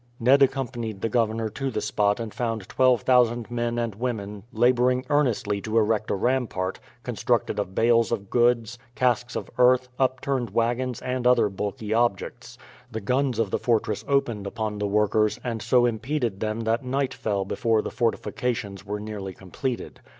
Ned accompanied the governor to the spot and found twelve thousand men and women labouring earnestly to erect a rampart, constructed of bales of goods, casks of earth, upturned wagons, and other bulky objects. The guns of the fortress opened upon the workers, and so impeded them that night fell before the fortifications were nearly completed.